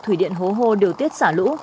thủy điện hố hô điều tiết xả lũ